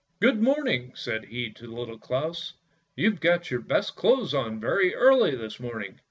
"Good morning!" said he to Little Claus; "you've got your best clothes on very early this morning!